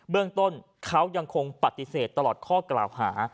เรื่องต้นเขายังคงปฏิเสธตลอดข้อกล่าวหา